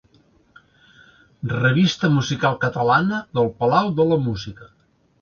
“Revista Musical Catalana” del Palau de la Música.